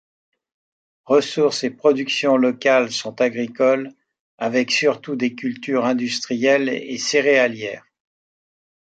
Ressources et productions locales sont agricoles, avec surtout des cultures industrielles et céréalières.